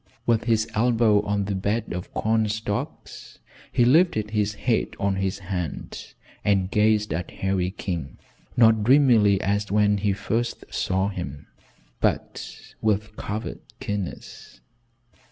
With his elbow on the bed of corn stalks he lifted his head on his hand and gazed at Harry King, not dreamily as when he first saw him, but with covert keenness.